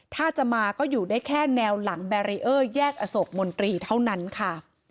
ถ้าจะมาก็อยู่ได้แค่แนวหลังแบรีเออร์แยกอโศกมนตรีเท่านั้นค่ะ